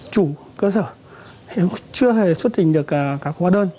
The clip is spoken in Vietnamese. chủ cơ sở chưa hề xuất trình được các hóa đơn